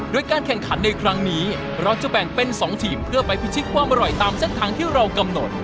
โดยการแข่งขันในครั้งนี้เราจะแบ่งเป็น๒ทีมเพื่อไปพิชิตความอร่อยตามเส้นทางที่เรากำหนด